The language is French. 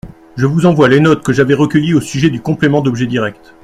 Je vous envoie les notes que j’avais recueillies au sujet du complément d’objet direct.